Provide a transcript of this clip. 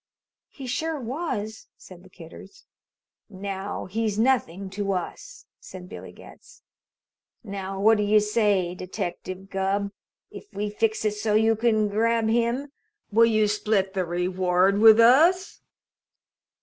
"He sure was," said the Kidders. "Now, he's nothing to us," said Billy Getz. "Now, what do you say, Detective Gubb? If we fix it so you can grab him, will you split the reward with us?"